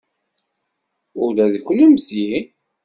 Ula d kunemti.